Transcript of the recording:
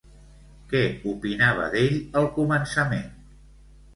Què opinava d'ell al començament?